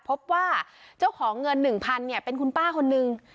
พบว่าเจ้าของเงิน๑๐๐เนี่ยเป็นคุณป้าคนนึง